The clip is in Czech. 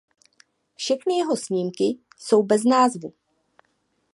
Všechny jeho snímky jsou bez názvu.